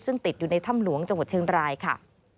ซึ่งติดอยู่ในถ้ำหลวงจังหวัดเชียงรายค่ะ